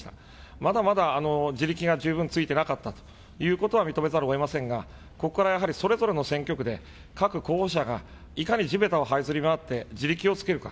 まだまだ自力が十分ついてなかったということは認めざるをえませんが、ここからやはり、それぞれの選挙区で、各候補者がいかに地べたをはいずり回って、地力をつけるか。